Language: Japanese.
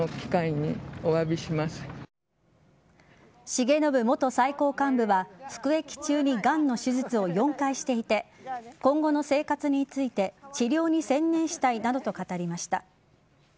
重信元最高幹部は服役中にがんの手術を４回していて今後の生活について治療に専念したいなどと語りました。